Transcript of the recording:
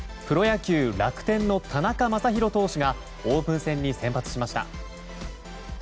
プロ野球、楽天の田中将大投手がオープン戦に先発しました。